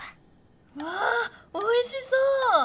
うわぁおいしそう！